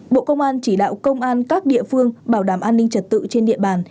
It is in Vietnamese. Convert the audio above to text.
bộ công an chỉ đạo công an các địa phương bảo đảm an ninh trật tự trên địa bàn